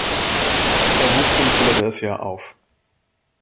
Er wuchs in Philadelphia auf.